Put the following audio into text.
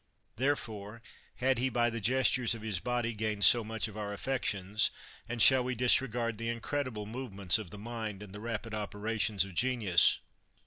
Therefore had he by the gestures of his body gained so much of our affections, and shall we disregard the incredible movements of the mind, and the rapid operations of genius